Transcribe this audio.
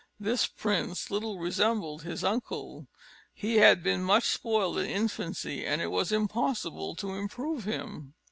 This prince little resembled his uncle: he had been much spoiled in infancy, and it was impossible to improve him.